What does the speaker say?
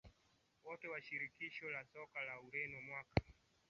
Wote wa Shirikisho la Soka la Ureno mwaka